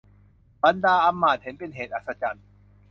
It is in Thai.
บรรดาอำมาตย์เห็นเป็นเหตุอัศจรรย์